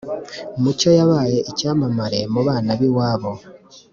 mucyo yabaye icyamamare mu bana biwabo